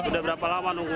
sudah berapa lama nunggu